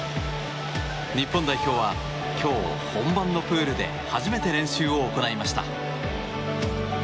日本代表は今日、本番のプールで初めて練習を行いました。